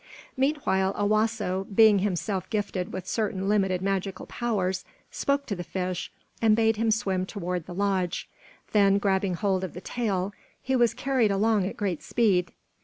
Meanwhile Owasso, being himself gifted with certain limited magical powers, spoke to the fish and bade him swim toward the lodge, then grabbing hold of the tail, he was carried along at great speed.